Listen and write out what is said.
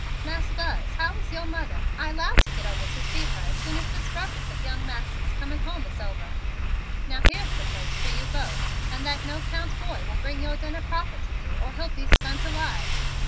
"Mas' Buzz, how is yo' mother? I 'lowed to git over to see her soon as this ruckus of young Mas' coming home is over. Now, here's the place fer you both and that no 'count boy will bring in yo' dinner proper to you or he'll be skunt alive."